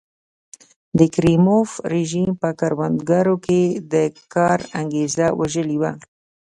د کریموف رژیم په کروندګرو کې د کار انګېزه وژلې وه.